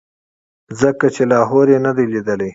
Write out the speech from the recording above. ځکه چې لاهور یې نه دی لیدلی.